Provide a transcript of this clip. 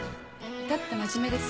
至って真面目ですけど。